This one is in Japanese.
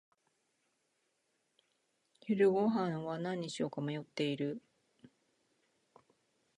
昼ごはんは何にしようか迷っている。